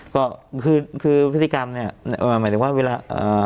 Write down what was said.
คือพฤติกรรมเนาะหมายถึงว่าเวลา